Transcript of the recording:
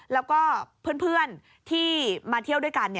แล้วก็เพื่อนที่มาเที่ยวด้วยกัน